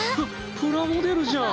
ププラモデルじゃん！